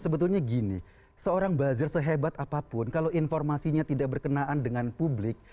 sebetulnya gini seorang buzzer sehebat apapun kalau informasinya tidak berkenaan dengan publik